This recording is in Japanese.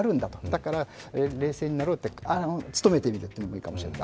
だから冷静になろうと努めてみるのもいいかもしれない。